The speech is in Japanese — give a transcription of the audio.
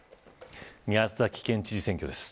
宮崎県知事選挙です。